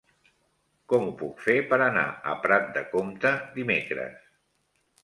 Com ho puc fer per anar a Prat de Comte dimecres?